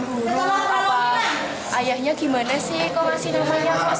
atau ayahnya gimana sih kok ngasih namanya kok satu huruf